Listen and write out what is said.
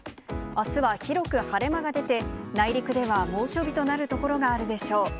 あすは広く晴れ間が出て、内陸では猛暑日となる所があるでしょう。